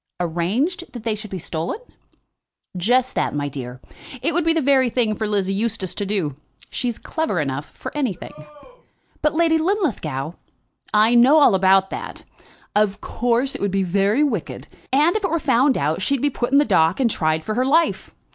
"Arranged that they should be stolen?" "Just that, my dear. It would be the very thing for Lizzie Eustace to do. She's clever enough for anything." "But, Lady Linlithgow " "I know all about that. Of course, it would be very wicked, and if it were found out she'd be put in the dock and tried for her life.